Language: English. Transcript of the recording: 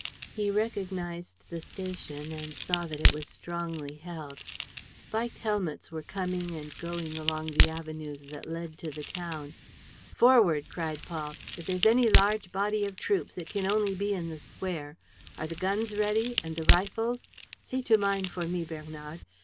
He recognized the station and saw that it was strongly held. Spiked helmets were coming and going along the avenues that led to the town. "Forward!" cried Paul. "If there's any large body of troops, it can only be in the square. Are the guns ready? And the rifles? See to mine for me, Bernard.